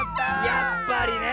やっぱりねえ。